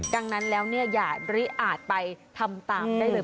ดังนั้นแล้วเนี่ยอย่าริอาจไปทำตามได้เลย